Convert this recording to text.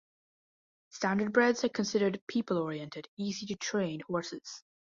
Standardbreds are considered people-oriented, easy-to-train horses.